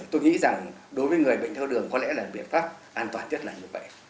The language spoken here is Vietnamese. tôi nghĩ rằng đối với người bệnh theo đường có lẽ là biện pháp an toàn nhất là như vậy